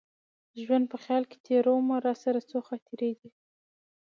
ژوند په خیال کي تېرومه راسره څو خاطرې دي